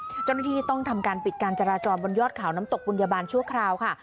เจ้าหน้าที่ต้องทำการปิดการจราจรบนยอดเขาน้ำตกบุญชั่วคราวค่ะ